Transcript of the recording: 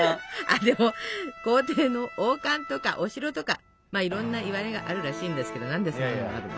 あでも皇帝の王冠とかお城とかいろんないわれがあるらしいんですけど何でそんなのがあるの？